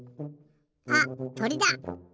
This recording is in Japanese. あっとりだ。